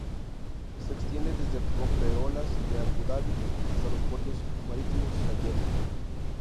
Se extiende desde el rompeolas de Abu Dabi hasta los Puertos Marítimos Zayed.